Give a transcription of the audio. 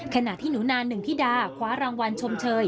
ขณะที่หนูนาหนึ่งธิดาคว้ารางวัลชมเชย